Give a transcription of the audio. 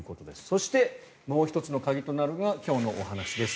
そして、もう１つの鍵となるのが今日のお話です。